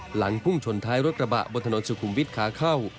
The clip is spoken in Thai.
หลังพุ่งชนท้ายรถกระบะบนถนนสุขุมวิทย์ขาเข้า